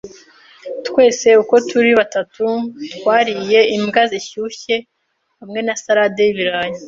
Twese uko turi batatu twariye imbwa zishyushye hamwe na salade y'ibirayi.